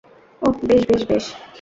ওহ, বেশ, বেশ, বেশ।